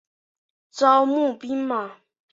招募兵马。